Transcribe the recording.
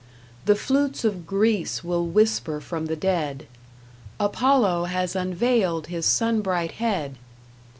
The flutes of Greece will whisper from the dead: "Apollo has unveiled his sunbright head!"